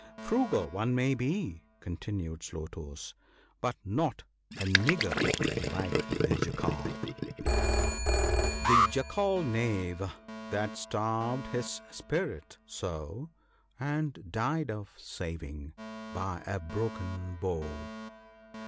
' Frugal one may be,' continued Slow toes ;* but not a niggard like the Jackal —" The Jackal knave, that starved his spirit so, And died of saving, by a broken bow.